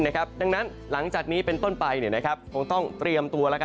ดังนั้นหลังจากนี้เป็นต้นไปคงต้องเตรียมตัว